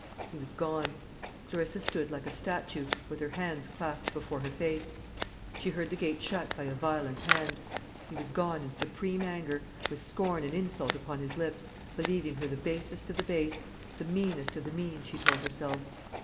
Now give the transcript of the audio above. He was gone. Clarissa stood like a statue, with her hands clasped before her face. She heard the gate shut by a violent hand. He was gone in supreme anger, with scorn and insult upon his lips, believing her the basest of the base, the meanest of the mean, she told herself.